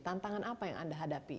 tantangan apa yang anda hadapi